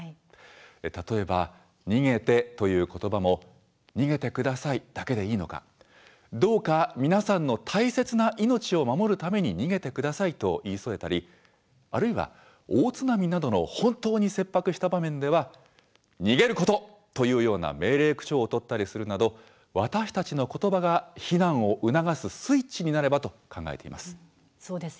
例えば「逃げて」ということばも「逃げてください」だけでいいのか「どうか、皆さんの大切な命を守るために逃げてください」と言い添えたりあるいは大津波などの本当に切迫した場面では「逃げること」というような命令口調を取ったりするなど私たちのことばが避難を促すスイッチになればと考えています。